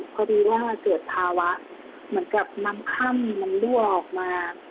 พอดีว่ามันเกิดภาวะเหมือนกับน้ำค่ำมันรั่วออกมา